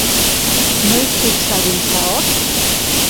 Noiztik zabiltza hor?